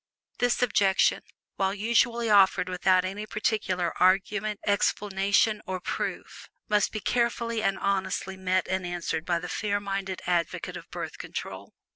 This objection, while usually offered without any particular argument, explanation, or proof, must be carefully and honestly met and answered by the fair minded advocate of Birth Control.